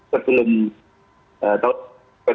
sebelum tahun dua ribu tiga belas